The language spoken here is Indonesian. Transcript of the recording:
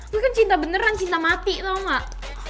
gue kan cinta beneran cinta mati atau gak